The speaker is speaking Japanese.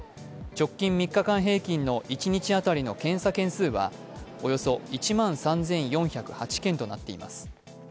直近３日間平均の一日当たりの検査件数はおよそ１万３４０８件となっています。